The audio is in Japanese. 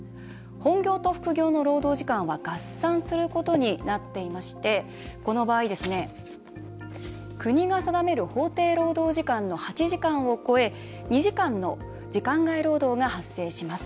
本業と副業の労働時間は合算することになっていましてこの場合、国が定める法定労働時間の８時間を超え２時間の時間外労働が発生します。